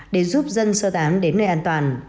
để giúp dân sơ tán đến nơi an toàn